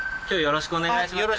よろしくお願いします。